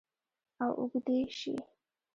او اوږدې شي